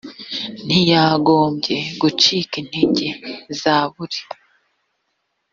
ntiyagombye gucika intege zaburi